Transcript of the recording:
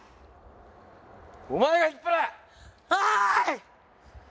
お前が引っ張れ！